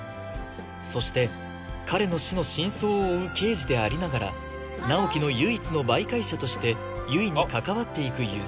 そして彼の死の真相を追う刑事でありながら直木の唯一の媒介者として悠依に関わっていく譲